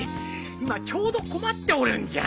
今ちょうど困っておるんじゃ。